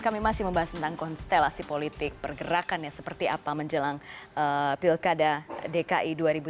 kami masih membahas tentang konstelasi politik pergerakannya seperti apa menjelang pilkada dki dua ribu tujuh belas